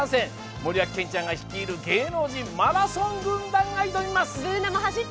森脇健児さん率いる芸能人マラソン軍団が挑みます。